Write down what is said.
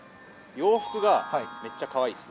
洋服がめっちゃ可愛いです。